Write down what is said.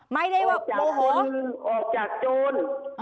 ไม่ได้ออกจากโจร